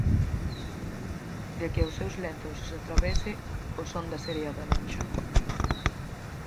De que aos seus lenzos os atravese o son da serea da lonxa.